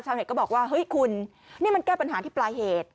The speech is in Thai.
ก็บอกว่าเฮ้ยคุณนี่มันแก้ปัญหาที่ปลายเหตุ